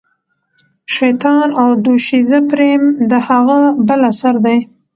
شیطان او دوشیزه پریم د هغه بل اثر دی.